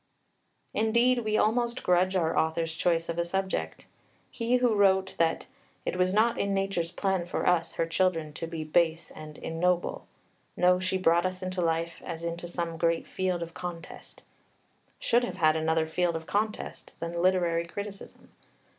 Indeed we almost grudge our author's choice of a subject. He who wrote that "it was not in nature's plan for us, her children, to be base and ignoble; no, she brought us into life as into some great field of contest," should have had another field of contest than literary criticism.